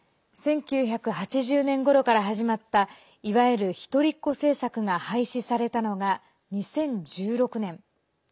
１９８０年ごろから始まったいわゆる、一人っ子政策が廃止されたのが２０１６年。